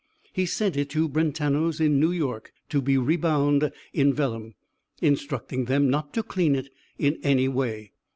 He sent it to Brentano's in New York to be rebound in vellum, instructing them not to clean it in any way.